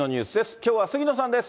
きょうは杉野さんです。